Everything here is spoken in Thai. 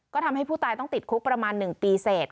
ก็ทำให้ผู้ตายต้องติดคุกประมาณ๑ปีเสร็จ